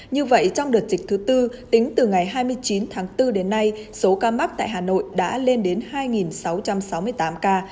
như vậy trong đợt dịch thứ tư tính từ ngày hai mươi chín tháng bốn đến nay số ca mắc tại hà nội đã lên đến hai sáu trăm sáu mươi tám ca